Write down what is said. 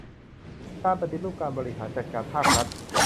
การปฏิรูปการบริหารจัดการภาครัฐ